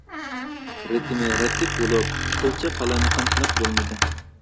رىتىمى رەتلىك بولۇپ، قىلچە قالايمىقانچىلىق بولمىدى.